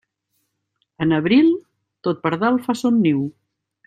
En abril, tot pardal fa son niu.